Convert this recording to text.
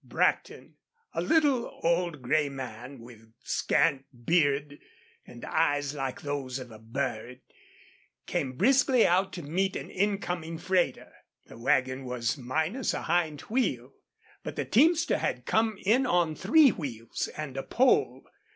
Brackton, a little old gray man, with scant beard, and eyes like those of a bird, came briskly out to meet an incoming freighter. The wagon was minus a hind wheel, but the teamster had come in on three wheels and a pole.